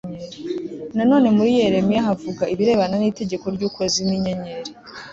nanone muri yeremiya havuga ibirebana n'itegeko ry'ukwezi n'inyenyeri